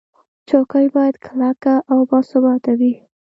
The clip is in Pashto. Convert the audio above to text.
چوکۍ باید کلکه او باثباته وي.